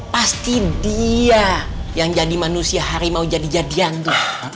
pasti dia yang jadi manusia hari mau jadi jadian tuh